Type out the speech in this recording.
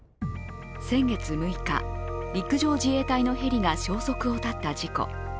先月６日、陸上自衛隊のヘリが消息を絶った事故。